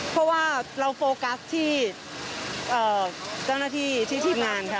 เพราะว่าเราโฟกัสที่เจ้าหน้าที่ที่ทีมงานค่ะ